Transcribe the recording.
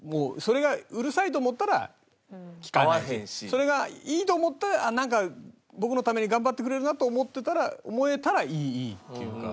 それがいいと思ったらなんか僕のために頑張ってくれるなと思ってたら思えたらいいっていうか。